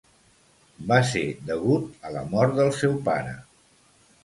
Va ser degut a la mort del seu pare.